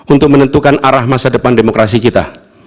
untuk menentukan arah masa depan demokrasi kita